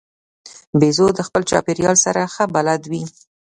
بیزو د خپل چاپېریال سره ښه بلد وي.